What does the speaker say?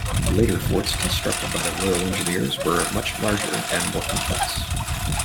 Later forts constructed by the royal engineers were much larger and more complex.